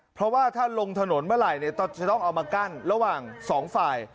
เพราะว่าถ้าลงถนนเมื่อไหร่จะต้องเอามากั้นระหว่างสองฝ่าย